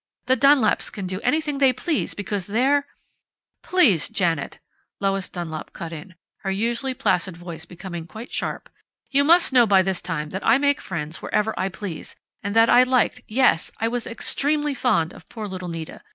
The Dunlaps can do anything they please, because they're " "Please, Janet!" Lois Dunlap cut in, her usually placid voice becoming quite sharp. "You must know by this time that I make friends wherever I please, and that I liked yes, I was extremely fond of poor little Nita.